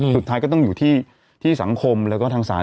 สุดท้ายก็ต้องอยู่ที่สังคมแล้วก็ทางศาล